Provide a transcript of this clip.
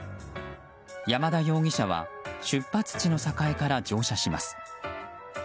山田容疑者は出発地の栄から乗車します。